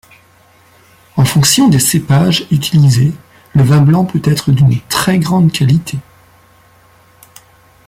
En fonction des cépages utilisés, le vin blanc peut être d’une très grande qualité.